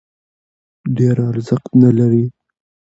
ډېر ارزښت نه لري.